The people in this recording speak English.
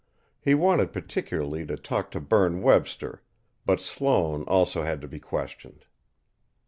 He wanted particularly to talk to Berne Webster, but Sloane also had to be questioned.